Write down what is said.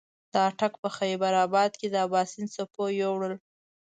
د اټک په خېبر اباد کې د اباسین څپو یوړل.